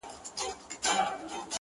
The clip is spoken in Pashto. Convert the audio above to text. لويه گناه